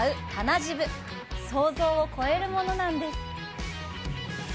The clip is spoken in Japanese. ジブは想像を超えるものなんです。